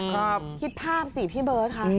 คิดภาพสิพี่เบิร์ตค่ะ